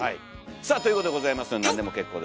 さあということでございますが何でも結構です。